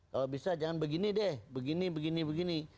kalau bisa jangan begini deh begini begini begini